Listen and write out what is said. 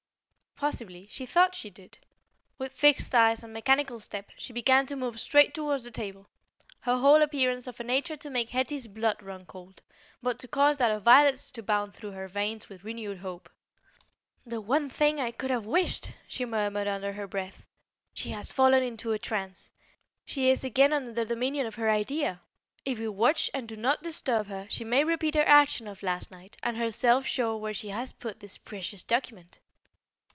Possibly, she thought she did. With fixed eyes and mechanical step she began to move straight towards the table, her whole appearance of a nature to make Hetty's blood run cold, but to cause that of Violet's to bound through her veins with renewed hope. "The one thing I could have wished!" she murmured under her breath. "She has fallen into a trance. She is again under the dominion of her idea. If we watch and do not disturb her she may repeat her action of last night, and herself show where she has put this precious document."